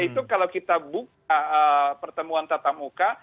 itu kalau kita buka pertemuan tatamuka